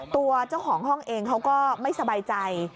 ตัวเจ้าของห้องเองเขาก็ไม่สบายใจ